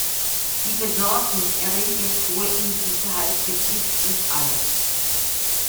Die Besorgnis erregend hohe Unsicherheit betrifft uns alle.